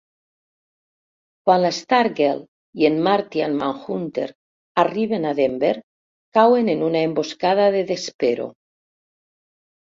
Quan la Stargirl i en Martian Manhunter arriben a Denver, cauen en una emboscada de Despero.